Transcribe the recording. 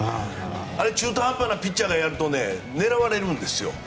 あれ中途半端なピッチャーがやると狙われるんですよ。